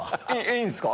いいんすか？